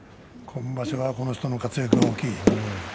今場所はこの人の活躍も大きい。